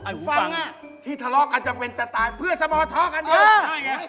ไอ้หูฟังที่ทะเลาะกันจากเว่นจะตายเพื่อสมทกันเดียว